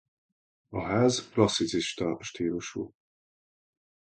A ház klasszicista stílusú.